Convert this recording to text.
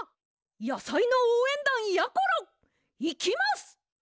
やさいのおうえんだんやころいきます！